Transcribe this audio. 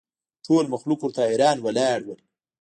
ټول مخلوق ورته حیران ولاړ ول